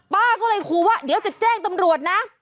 ป้าก็เลยครูว่าเดี๋ยวจะแจ้งตำรวจนะ